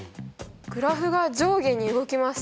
グラフが上下に動きます